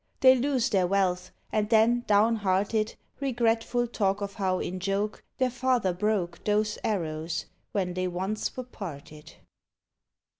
They lose their wealth, and then, downhearted, Regretful talk of how, in joke, Their father broke Those arrows, when they once were parted.